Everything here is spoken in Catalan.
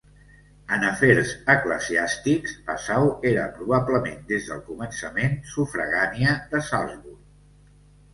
En afers eclesiàstics, Passau era probablement, des del començant, sufragània de Salzburg.